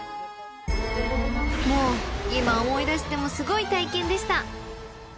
［もう今思い出してもすごい体験でした］